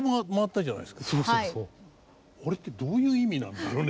あれってどういう意味なんだろうね？